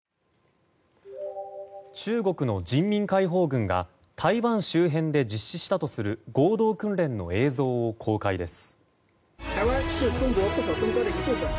中国の人民解放軍が台湾周辺で実施したとする合同訓練の映像を公開です。